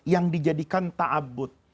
yang dijadikan ta'abud